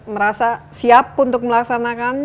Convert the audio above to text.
merasa siap untuk melaksanakan